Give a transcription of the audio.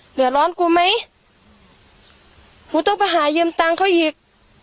เหลือร้อนกูไหมกูต้องไปหายืมตังค์เขาอีก